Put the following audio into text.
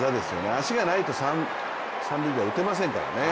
足がないと三塁打打てませんからね。